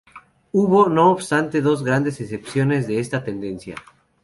Hubo, no obstante, dos grandes excepciones a esta tendencia.